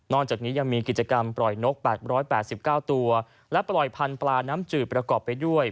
จากนี้ยังมีกิจกรรมปล่อยนก๘๘๙ตัวและปล่อยพันธุ์ปลาน้ำจืดประกอบไปด้วย